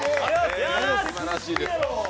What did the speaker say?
すばらしいです。